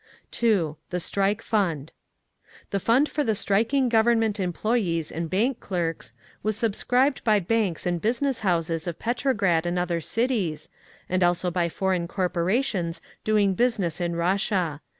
2. THE STRIKE FUND The fund for the striking Government employees and bank clerks was subscribed by banks and business houses of Petrograd and other cities, and also by foreign corporations doing business in Russia.